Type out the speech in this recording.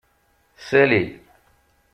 Sali.